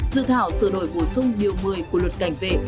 dự thảo sửa đổi bổ sung điều một mươi của luật cảnh vệ